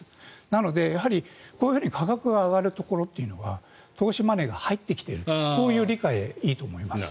なので、こういうふうに価格が上がるところは投資マネーが入ってきているこういう理解でいいと思います。